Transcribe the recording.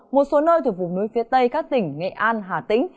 một số nơi thuộc vùng núi phía tây các tỉnh nghệ an hà tĩnh